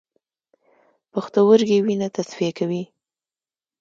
پښتورګي وینه تصفیه کوي